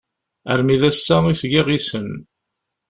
Armi d ass-a i s-giɣ isem.